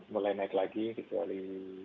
mulai naik lagi kecuali